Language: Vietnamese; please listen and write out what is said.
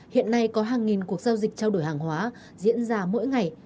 hiện nay có hàng nghìn cuộc giao dịch trao đổi hàng hóa diễn ra mỗi ngày